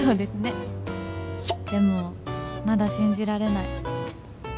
まだ信じられない」